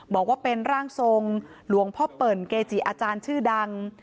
บอกว่าเป็นร่างทรงหลวงพ่อเปิ่นเกจิอาจารย์ชื่อดัง